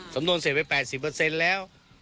สำนวนเสร็จไป๘๐แล้ว